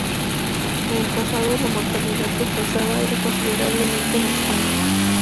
En el pasado la mortalidad que causaba era considerablemente más alta.